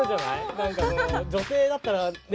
なんか女性だったらね